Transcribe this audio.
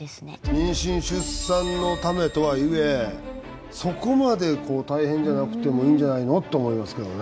妊娠出産のためとはいえそこまで大変じゃなくてもいいんじゃないのと思いますけどね。